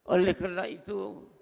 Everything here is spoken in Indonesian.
oleh karena itu